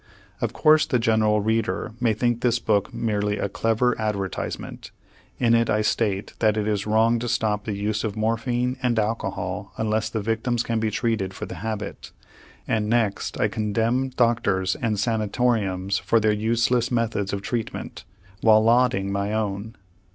Of course the general reader may think this book merely a clever advertisement. In it I state that it is wrong to stop the use of morphine and alcohol unless the victims can be treated for the habit, and next I condemn doctors and sanatoriums for their useless methods of treatment, while lauding my own.